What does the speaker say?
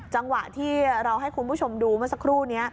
จังหวะที่เราให้คุณผู้ชมดูเมื่อสักครู่นี้